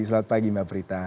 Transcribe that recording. selamat pagi mbak prita